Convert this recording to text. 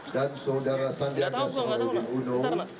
dan saudara sandiaga soeudi uno